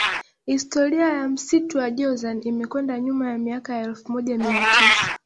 Historia ya msitu wa Jozani imekwenda nyuma ya miaka ya elfu moja mia tisa